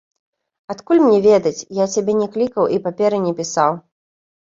Адкуль мне ведаць, я цябе не клікаў і паперы не пісаў.